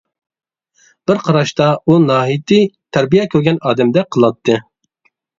بىر قاراشتا ئۇ ناھايىتى تەربىيە كۆرگەن ئادەمدەك قىلاتتى.